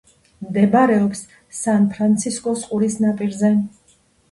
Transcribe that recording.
მდებარეობს სან-ფრანცისკოს ყურის ნაპირზე.